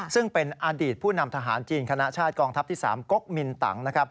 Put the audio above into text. ซึ่งเป็นอดีตผู้นำทหารจีนคณะชาติกองทัพที่๓กกมินตัง